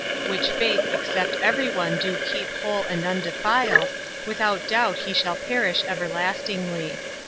Which faith except every one do keep whole and undefiled, without doubt he shall perish everlastingly.